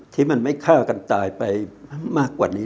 ที่มันไม่ฆ่ากันตายไปมากกว่านี้